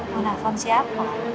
mau telfon siapa